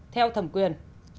theo thẩm quyền